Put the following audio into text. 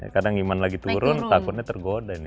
kadang iman lagi turun takutnya tergoda nih